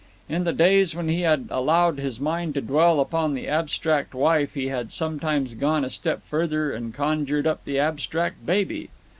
In the days when he had allowed his mind to dwell upon the abstract wife he had sometimes gone a step further and conjured up the abstract baby.